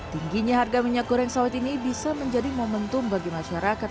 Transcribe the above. tingginya harga minyak goreng sawit ini bisa menjadi momentum bagi masyarakat